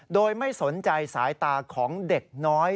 โดยไม่สนใจสายตาของเด็กน้อย